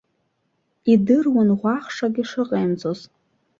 Идыруан ӷәаӷшақә ишыҟаимҵоз.